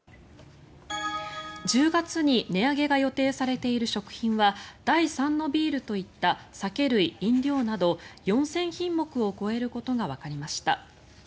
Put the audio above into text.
１０月に値上げが予定されている食品は第３のビールといった酒類・飲料など４０００品目を超えることがわかりました。